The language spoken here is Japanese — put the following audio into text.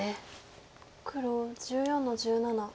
黒１４の十七。